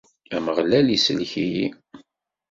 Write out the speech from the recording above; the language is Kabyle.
Ameɣlal isellek-iyi.